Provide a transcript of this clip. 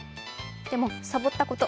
でもサボったこと